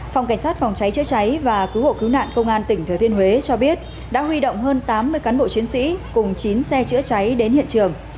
phòng cảnh sát phòng cháy chữa cháy và cứu hộ cứu nạn công an tỉnh thừa thiên huế cho biết đã huy động hơn tám mươi cán bộ chiến sĩ cùng chín xe chữa cháy đến hiện trường